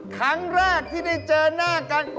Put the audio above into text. ครั้งแรกที่ได้เจอหน้ากัน